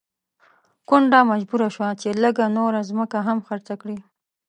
کونډه مجبوره شوه چې لږه نوره ځمکه هم خرڅه کړي.